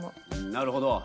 なるほど。